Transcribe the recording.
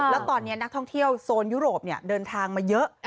แล้วตอนนี้นักท่องเที่ยวโซนยุโรปเดินทางมาเยอะ